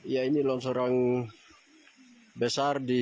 ya ini longsor yang besar di kmid ini